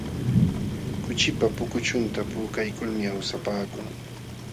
Kuchipa pukuchunta puukaykulmi awsapaakuu.